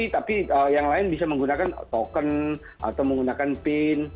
tapi yang lain bisa menggunakan token atau menggunakan pin